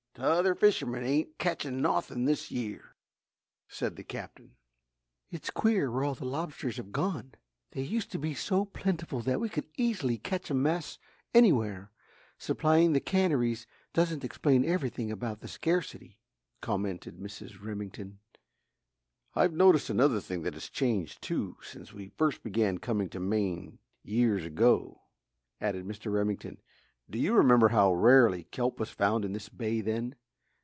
T'other fishermen ain't ketchin' nawthin' this year," said the Captain. "It's queer where all the lobsters have gone! They used to be so plentiful that we could easily catch a mess anywhere. Supplying the canneries doesn't explain everything about the scarcity," commented Mrs. Remington. "I've noticed another thing that has changed too, since we first began coming to Maine years ago," added Mr. Remington. "Do you remember how rarely kelp was found in this bay then?